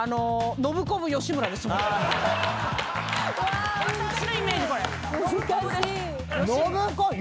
ノブコ吉村⁉吉村です。